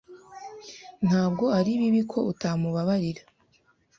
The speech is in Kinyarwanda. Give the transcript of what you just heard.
Ntabwo ari bibi ko utamubabarira.